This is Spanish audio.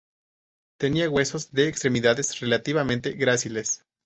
Tenía huesos de extremidades relativamente gráciles.